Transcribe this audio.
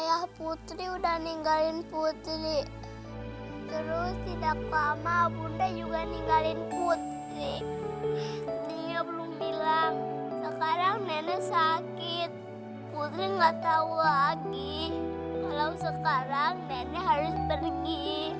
ya allah putri tidak tahu apakah putri masih kuat atau sudah tinggal nenek lagi